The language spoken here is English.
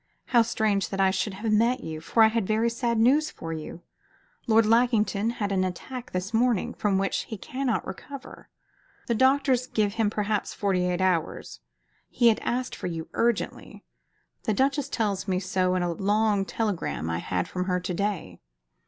"How strange that I should have met you, for I have very sad news for you! Lord Lackington had an attack this morning, from which he cannot recover. The doctors give him perhaps forty eight hours. He has asked for you urgently. The Duchess tells me so in a long telegram I had from her to day.